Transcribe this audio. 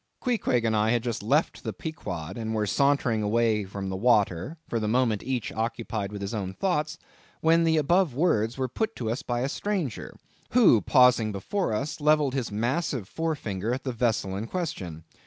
Queequeg and I had just left the Pequod, and were sauntering away from the water, for the moment each occupied with his own thoughts, when the above words were put to us by a stranger, who, pausing before us, levelled his massive forefinger at the vessel in question.